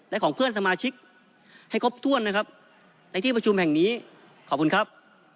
และของเพื่อนสมาชิกให้ครบถ้วนนะครับในที่ประชุมแห่งนี้ขอบคุณครับ